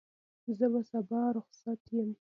زه به سبا رخصت یم.